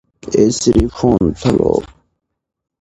Lafond continued his playing career after graduating and moved east.